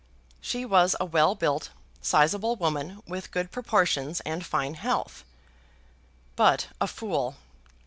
She was a well built, sizeable woman, with good proportions and fine health, but a fool.